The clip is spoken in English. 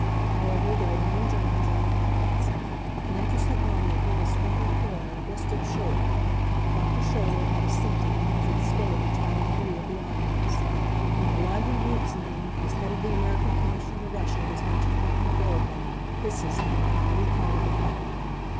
However, there were many Germans in the audience. An interested onlooker was former Coroner Gustav Scholer. Dr. Scholer had a seat in the wings of the stage, out of the view of the audience. When Elihu Root's name as head of the American Commission to Russia was mentioned by Emma Goldman, hisses came from every part of the hall.